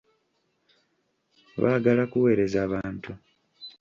Baagala kuwereza bantu.